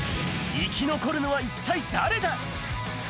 生き残るのは一体誰だ？